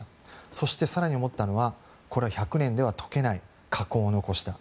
そして更に思ったのはこれは１００年では解けない禍根を残した。